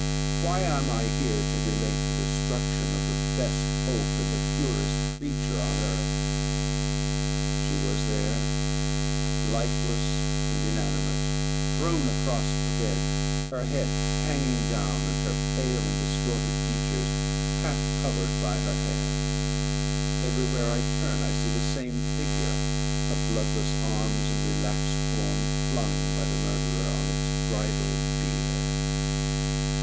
Why am I here to relate the destruction of the best hope, and the purest creature of earth? She was there, lifeless and inanimate, thrown across the bed, her head hanging down, and her pale and distorted features half covered by her hair. Every where I turn I see the same figure her bloodless arms and relaxed form flung by the murderer on its bridal bier.